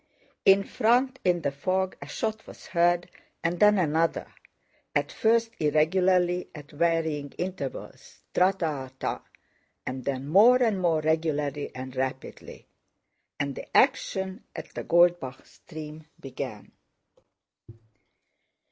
In front in the fog a shot was heard and then another, at first irregularly at varying intervals—trata...tat—and then more and more regularly and rapidly, and the action at the Goldbach Stream began.